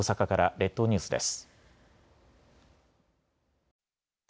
列島ニュースです。